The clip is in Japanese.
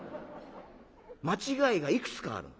間違いがいくつかあるの。